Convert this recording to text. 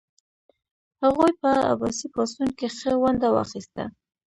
هغوی په عباسي پاڅون کې ښه ونډه واخیسته.